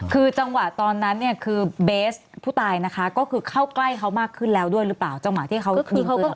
คือจังหวะตอนนั้นเนี่ยคือเบสผู้ตายนะคะก็คือเข้าใกล้เขามากขึ้นแล้วด้วยหรือเปล่าจังหวะที่เขาขึ้น